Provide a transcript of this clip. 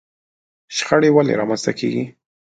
شخړه ولې رامنځته کېږي؟